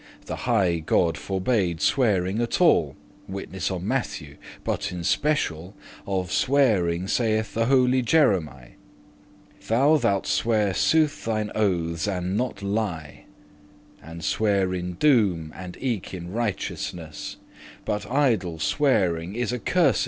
The highe God forbade swearing at all; Witness on Matthew: <22> but in special Of swearing saith the holy Jeremie, <23> Thou thalt swear sooth thine oathes, and not lie: And swear in doom* and eke in righteousness; *judgement But idle swearing is a cursedness.